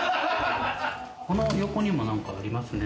この横にも何かありますね。